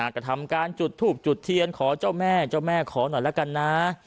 กระทำการจุดถูบจุดเทียนขอเจ้าแม่ขอหน่อยละกันนะ